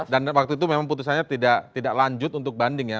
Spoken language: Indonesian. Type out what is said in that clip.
dan waktu itu memang putusannya tidak lanjut untuk banding ya